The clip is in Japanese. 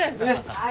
はい。